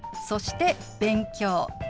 そして「勉強」。